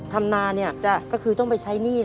ทำนานเนี่ยคือต้องไปใช่หนี้หรอ